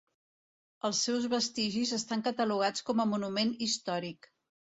Els seus vestigis estan catalogats com a monument històric.